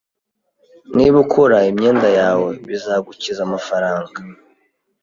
Niba ukora imyenda yawe, bizagukiza amafaranga